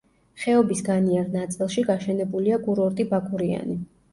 ხეობის განიერ ნაწილში გაშენებულია კურორტი ბაკურიანი.